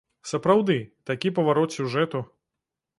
Сапраўды, такі паварот сюжэту.